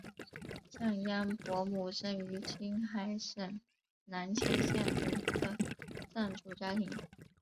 降央伯姆生于青海省囊谦县的一个藏族家庭。